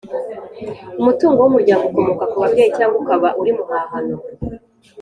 Umutungo w umuryango ukomoka ku babyeyi cyangwa ukaba uri muhahano